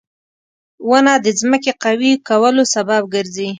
• ونه د ځمکې قوي کولو سبب ګرځي.